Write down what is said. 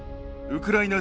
ウクライナ！